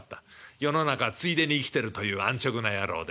世の中ついでに生きてるという安直な野郎で。